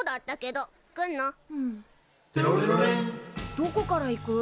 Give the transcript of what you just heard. どこから行く？